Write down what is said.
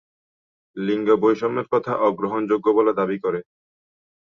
লিঙ্গ বৈষম্যের কথা অগ্রহণযোগ্য বলে দাবি করে।